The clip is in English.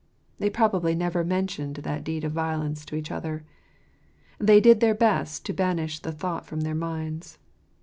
They probably never mentioned that deed of violence to each other. They did their best to banish the thought from their minds.